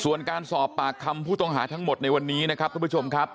ส่วนการสอบปากคำผู้ต้องหาทั้งหมดในวันนี้นะครับทุกผู้ชมครับ